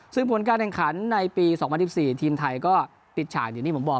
ซึ่งผลการแข่งขันในปี๒๐๑๔ทีมไทยก็ปิดฉากอย่างที่ผมบอก